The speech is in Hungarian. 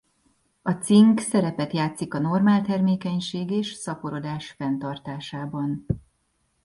A cink szerepet játszik a normál termékenység és szaporodás fenntartásában.